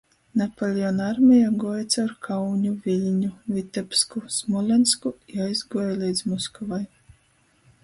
Napoleona armeja guoja caur Kauņu, Viļņu, Vitebsku, Smolensku i aizguoja leidz Moskovai.